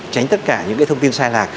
tránh tất cả những cái thông tin sai lạc